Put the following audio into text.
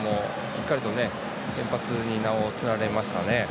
しっかりと先発に名を連ねましたね。